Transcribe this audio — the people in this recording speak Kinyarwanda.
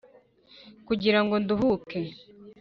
Kugira ngo nduhuke